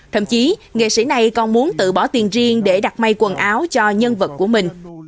thậm chí nghệ sĩ này còn muốn tự bỏ tiền riêng để đặt may quần áo cho nhân vật của mình